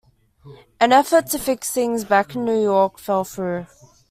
An effort to fix things back in New York fell through.